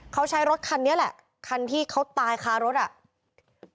เขาใช้รถคันนี้แหละคันที่เขาตายคารถอ่ะ